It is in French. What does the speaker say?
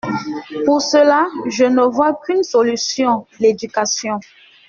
Pour cela, je ne vois qu’une solution: l’éducation!